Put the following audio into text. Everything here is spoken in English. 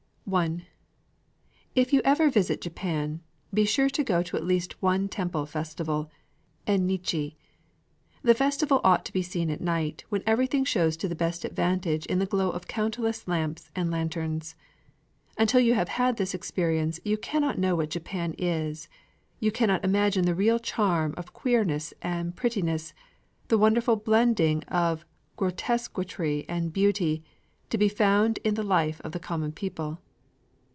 _ I If you ever visit Japan, be sure to go to at least one temple festival, en nichi. The festival ought to be seen at night, when everything shows to the best advantage in the glow of countless lamps and lanterns. Until you have had this experience, you cannot know what Japan is, you cannot imagine the real charm of queerness and prettiness, the wonderful blending of grotesquery and beauty, to be found in the life of the common people.